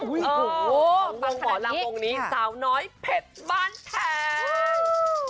ของบอรำวงค์นี้สาวน้อยเผ็ดบ้านแทน